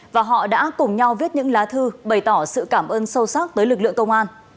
và họ đã cùng nhau viết những lá thư bày tỏ sự cảm ơn sâu sắc tới lực lượng công an